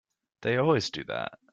They always do that.